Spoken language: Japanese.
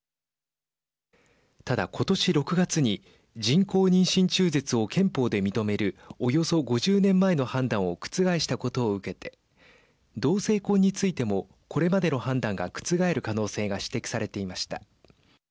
ただ今年６月に人工妊娠中絶を憲法で認めるおよそ５０年前の判断を覆したことを受けて同性婚についてもこれまでの判断が覆る可能性が指摘されていました。